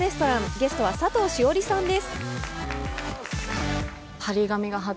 ゲストは佐藤栞里さんです。